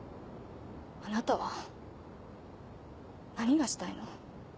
あなたは何がしたいの？